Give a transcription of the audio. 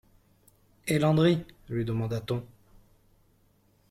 Et Landry ? lui demanda-t-on.